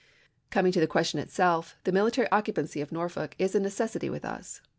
Coming to the question itself, the military occupancy of Norfolk is a necessity with us.